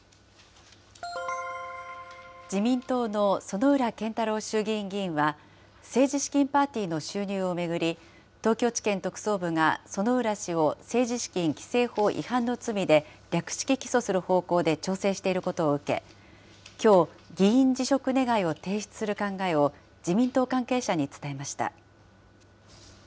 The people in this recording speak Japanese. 自民党の薗浦健太郎衆議院議員は、政治資金パーティーの収入を巡り、東京地検特捜部が薗浦氏を政治資金規正法違反の罪で略式起訴する方向で調整していることを受け、きょう、議員辞職願を提出する考えを自民党関係者に伝えました。